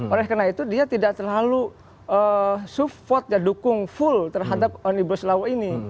oleh karena itu dia tidak terlalu dukung full terhadap ibu selawo ini